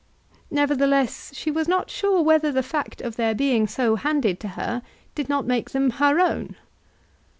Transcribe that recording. Nevertheless she was not sure whether the fact of their being so handed to her did not make them her own.